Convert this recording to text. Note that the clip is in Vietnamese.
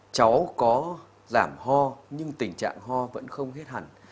cháu có giảm ho nhưng tình trạng ho vẫn không hết hẳn